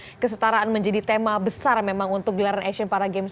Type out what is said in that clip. temsong kesetaraan menjadi tema besar memang untuk gelaran asian para games